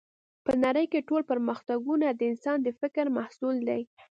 په نړۍ کې ټول پرمختګونه د انسان د فکر محصول دی